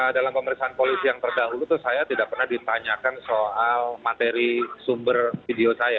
dalam pemeriksaan polisi yang terdahulu itu saya tidak pernah ditanyakan soal materi sumber video saya